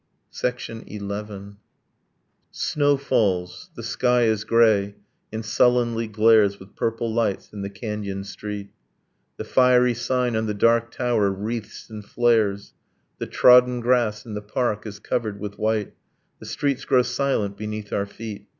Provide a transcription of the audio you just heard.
XI. Snow falls. The sky is grey, and sullenly glares With purple lights in the canyoned street. The fiery sign on the dark tower wreathes and flares ... The trodden grass in the park is covered with white, The streets grow silent beneath our feet